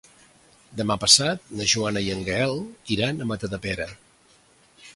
Demà passat na Joana i en Gaël iran a Matadepera.